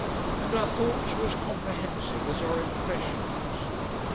And our thoughts were as comprehensive as our impressions.